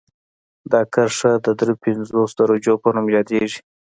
دا کرښه د دري پنځوس درجو په نوم یادیږي